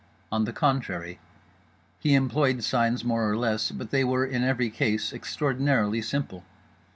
On the contrary. He employed signs more or less, but they were in every case extraordinarily simple.